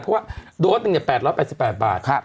เพราะว่าโดสเนี่ยแบบ๘๓บาทครับ